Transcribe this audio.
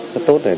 trong tình hình